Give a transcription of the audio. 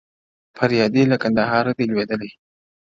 فريادي له كـندهـاره دى لــــــوېــــدلـــــى،